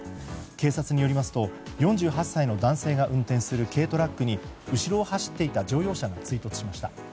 警察によりますと４８歳の男性が運転する軽トラックに後ろを走っていた乗用車が追突しました。